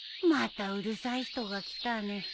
またうるさい人が来たね。